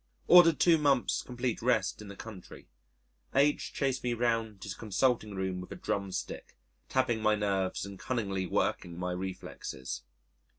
Ordered two months' complete rest in the country. H chased me round his consulting room with a drum stick, tapping my nerves and cunningly working my reflexes.